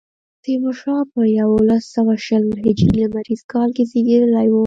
تیمورشاه په یوولس سوه شل هجري لمریز کال کې زېږېدلی و.